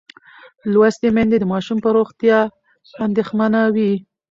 لوستې میندې د ماشوم پر روغتیا اندېښمنه وي.